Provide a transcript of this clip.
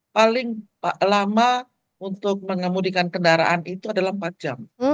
paling lama untuk mengemudikan kendaraan itu adalah empat jam